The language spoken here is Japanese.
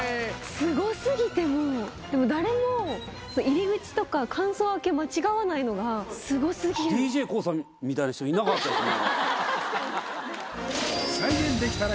すごすぎてもうでも誰も入り口とか間奏明け間違わないのがすごすぎるＤＪＫＯＯさんみたいな人いなかったですね